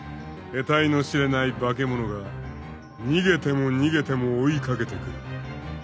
［えたいの知れない化け物が逃げても逃げても追い掛けてくる］